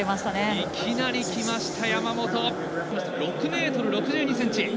いきなりきました６ｍ６２ｃｍ。